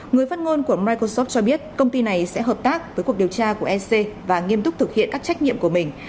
người phát ngôn của microsoft cho biết công ty này sẽ hợp tác với cuộc điều tra của ec và nghiêm túc thực hiện các trách nhiệm của mình